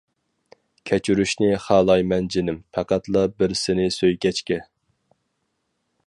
كەچۈرۈشنى خالايمەن جىنىم، پەقەتلا بىر سىنى سۆيگەچكە.